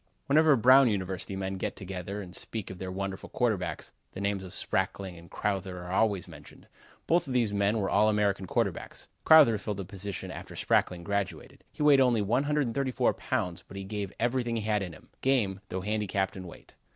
Whenever Brown University men get together and speak of their wonderful quarterbacks, the names of Sprackling and Crowther are always mentioned. Both of these men were All American quarterbacks. Crowther filled the position after Sprackling graduated. He weighed only 134 pounds, but he gave everything he had in him game, though handicapped in weight.